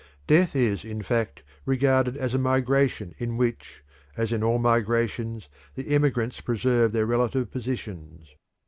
Death is in fact regarded as a migration in which, as in all migrations, the emigrants preserve their relative positions.